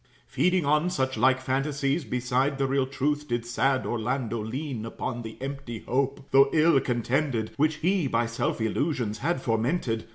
Feeding on such like phantasies, beside The real truth, did sad Orlando lean Upon the empty hope, though ill contented, Which he by self illusions had fomented.